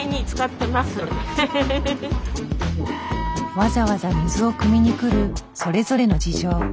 わざわざ水をくみに来るそれぞれの事情。